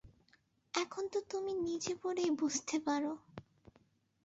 এখন তো তুমি নিজে পড়েই বুঝতে পার।